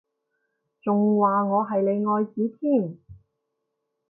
仲話我係你愛子添？